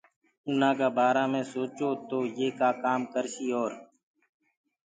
اُنآ بآرآ مي تو سوچو ڪي يي ڪآم ڪآ ڪرسيٚ اور